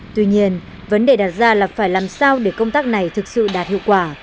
tuy nhiên vấn đề đặt ra là phải làm sao để công tác này thực sự đạt hiệu quả